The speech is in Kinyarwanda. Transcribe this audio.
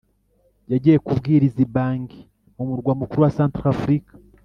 Yagiye kubwiriza i Bangui mu murwa mukuru wa Centrafrique